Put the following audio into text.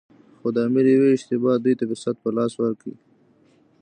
خو د امیر یوې اشتباه دوی ته فرصت په لاس ورکړ.